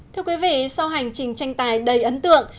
thưa quý vị sau hành trình tranh tài đầy ấn tượng